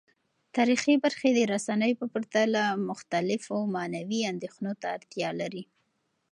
تاریخي برخې د رسنیو په پرتله مختلفو معنوي اندیښنو ته اړتیا لري.